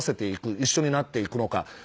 一緒になっていくのか。